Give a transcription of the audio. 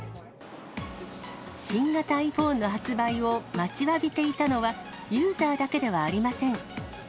新型ｉＰｈｏｎｅの発売を待ちわびていたのは、ユーザーだけではありません。